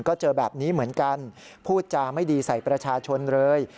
ก็เจอแบบนี้เหมือนกันพูดจาไม่ดีใส่ประชาชนเลย